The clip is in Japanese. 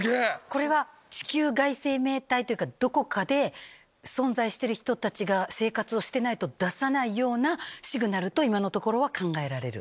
これは地球外生命体というかどこかで存在してる人たちが生活をしてないと出さないようなシグナルと今のところは考えられる？